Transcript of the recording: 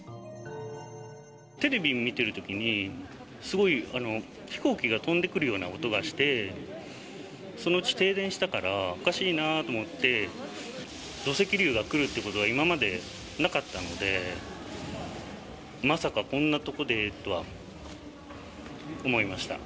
テレビ見てるときに、すごい飛行機が飛んでくるような音がして、そのうち停電したから、おかしいなと思って、土石流が来るっていうことは今までなかったので、まさかこんなとこでとは思いました。